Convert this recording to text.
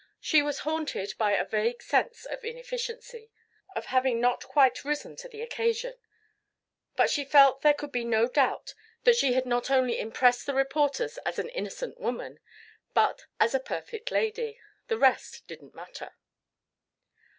She was haunted by a vague sense of inefficiency, of having not quite risen to the occasion, but she felt there could be no doubt that she not only had impressed the reporters as an innocent woman but as a perfect lady. The rest didn't matter.